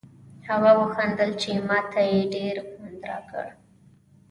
هغه و خندل چې ما ته یې ډېر خوند راکړ.